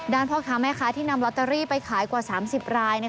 พ่อค้าแม่ค้าที่นำลอตเตอรี่ไปขายกว่า๓๐ราย